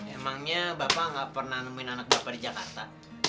emangnya bapak nggak pernah nemuin anak bapak di jakarta